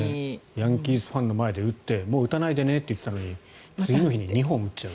ヤンキースファンの前で打ってもう打たないでねって言ってたのに次の日に２本打っちゃう。